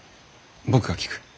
僕が聞く。